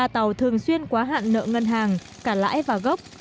hai mươi ba tàu thường xuyên quá hạn nợ ngân hàng cả lãi và gốc